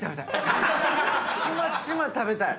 ちまちま食べたい。